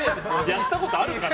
やったことあるのかな？